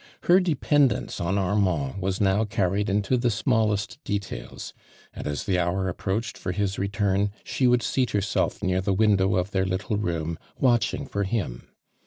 Her dependence •n Armand was now carried into the small 08t detftils, and as the hour approached for his return, she would seat herself near the window of their little room watching for him.